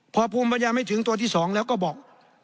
พอภูมิปัญญาไม่ถึงตัวที่๒แล้วก็บอก